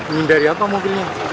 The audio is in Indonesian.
ngindari apa mobilnya